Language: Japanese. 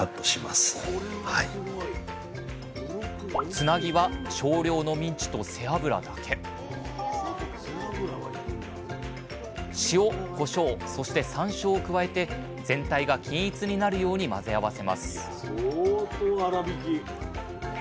つなぎは少量のミンチと背脂だけ塩コショウそしてサンショウを加えて全体が均一になるように混ぜ合わせます相当粗びき。